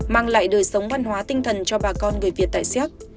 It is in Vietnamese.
mang lại đời sống văn hóa tinh thần cho bà con người việt tại xéc